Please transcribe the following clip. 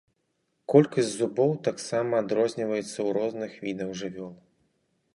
Колькасць зубоў таксама адрозніваецца ў розных відаў жывёл.